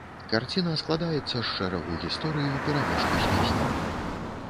Карціна складаецца з шэрагу гісторый уперамешку з песнямі.